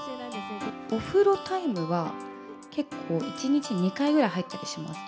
お風呂タイムは結構、１日２回ぐらい入ったりします。